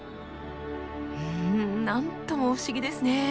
うん何とも不思議ですね。